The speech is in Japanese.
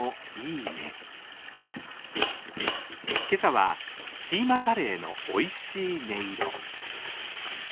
今朝はキーマカレーのおいしい音色。